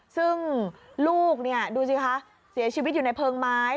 ซึ่งลูกเนี่ยดูสิคะเสียชีวิตอยู่ในเพลิงไม้